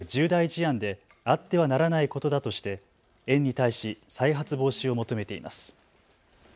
八千代市は命に関わる重大事案であってはならないことだとして園に対し再発防止を求めています。